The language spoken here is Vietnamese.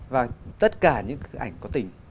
và tất cả những cái ảnh có tỉnh